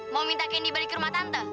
mau minta kendi balik ke rumah tante